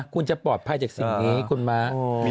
คุณจะปลอดภัยจากสิ่งนี้คุณม้า